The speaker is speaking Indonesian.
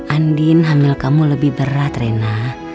andin hamil kamu lebih berat rena